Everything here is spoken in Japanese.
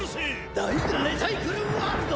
ダイリサイクルワルド！